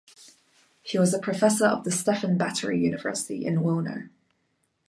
He was a professor of the Stefan Batory University in Wilno.